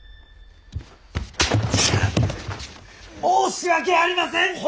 申し訳ありません！